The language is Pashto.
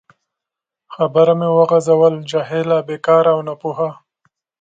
خبره مې وغځول: جاهله، بیکاره او ناپوه.